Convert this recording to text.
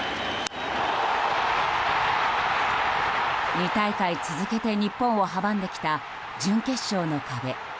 ２大会続けて日本を阻んできた準決勝の壁。